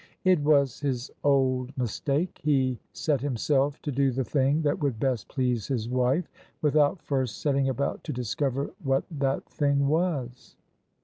It was his old mistake: he set himself to do the thing that would best please his wife, without first setting about to discover what that thing was.